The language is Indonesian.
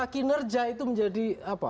kinerja itu menjadi apa